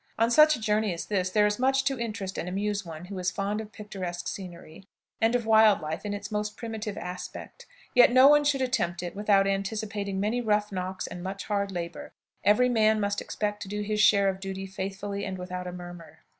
On such a journey as this, there is much to interest and amuse one who is fond of picturesque scenery, and of wild life in its most primitive aspect, yet no one should attempt it without anticipating many rough knocks and much hard labor; every man must expect to do his share of duty faithfully and without a murmur.